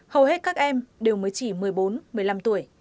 hầu hết các em đều mới chỉ một mươi bốn một mươi năm tuổi